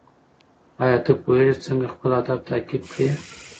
ایا ته پوهېږې څنګه خپل اهداف تعقیب کړې؟